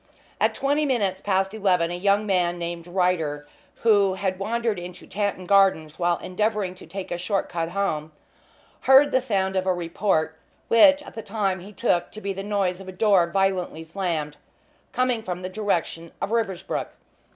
At twenty minutes past eleven a young man named Ryder, who had wandered into Tanton Gardens while endeavouring to take a short cut home, heard the sound of a report, which at the time he took to be the noise of a door violently slammed, coming from the direction of Riversbrook.